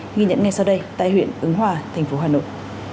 nghi nhận ngay sau đây tại huyện ứng hòa thành phố hà nội